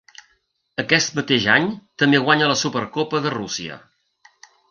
Aquest mateix any també guanya la Supercopa de Rússia.